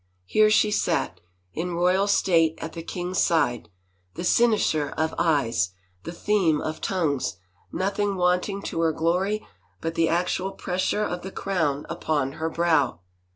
Here she sat, in royal state at the king's side, the cynosure of eyes, the theme of tongues, nothing wanting to her glory but the actual pressure of the crown upon her brow!